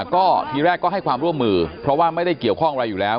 ก็ทีแรกก็ให้ความร่วมมือเพราะว่าไม่ได้เกี่ยวข้องอะไรอยู่แล้ว